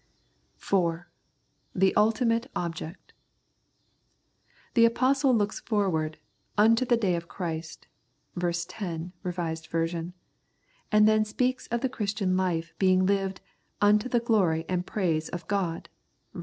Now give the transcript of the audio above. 4. The Ultimate Object. The Apostle looks forward " unto the day of Christ " (ver. 10, R.V.), and then speaks of the Christian life being lived " unto the glory and praise of God " (ver.